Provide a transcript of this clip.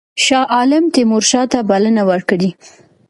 شاه عالم تیمورشاه ته بلنه ورکړې.